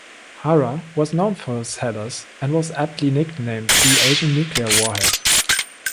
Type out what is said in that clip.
Hara was known for his headers and was aptly nicknamed the "Asian Nuclear Warhead".